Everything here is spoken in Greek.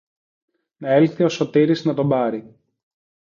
Να έλθει ο Σωτήρης να τον πάρει